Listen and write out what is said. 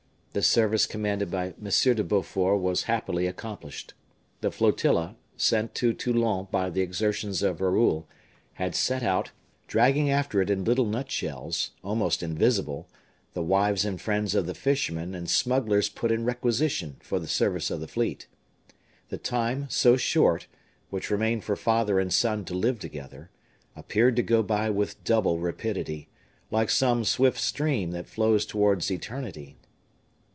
The service commanded by M. de Beaufort was happily accomplished. The flotilla, sent to Toulon by the exertions of Raoul, had set out, dragging after it in little nutshells, almost invisible, the wives and friends of the fishermen and smugglers put in requisition for the service of the fleet. The time, so short, which remained for father and son to live together, appeared to go by with double rapidity, like some swift stream that flows towards eternity.